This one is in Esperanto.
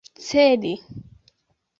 celi